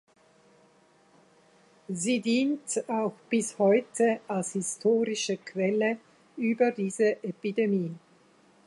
Sie dient auch bis heute als historische Quelle über diese Epidemie.